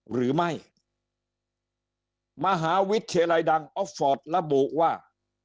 หรือไม่มหาวิทยาลัยดังออกฟอร์ตระบุว่า